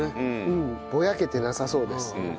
うんぼやけてなさそうです。